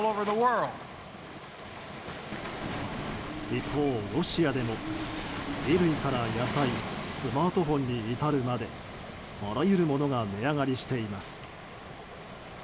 一方、ロシアでも衣類から野菜スマートフォンに至るまであらゆるものが値上がりしています。